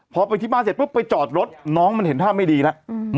พอไปที่บ้านเสร็จปุ๊บไปจอดรถน้องมันเห็นท่าไม่ดีแล้ว